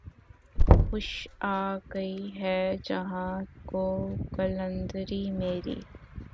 خوش آ گئی ہے جہاں کو قلندری میری